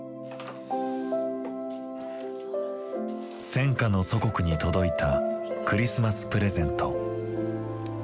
戦火の祖国に届いたクリスマスプレゼント。